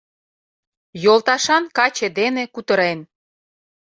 Йолташан каче дене кутырен